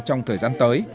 trong thời gian tới